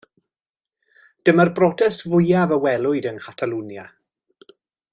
Dyma'r brotest fwyaf a welwyd yng Nghatalwnia.